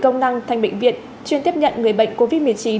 công năng thành bệnh viện chuyên tiếp nhận người bệnh covid một mươi chín